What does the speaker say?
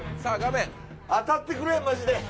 当たってくれ、マジで！